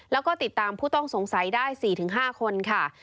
แล้วก็ติดตามผู้ต้องสงสัยได้๔๕คนค่ะ